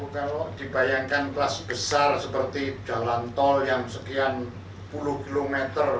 kalau dibayangkan kelas besar seperti jalan tol yang sekian puluh km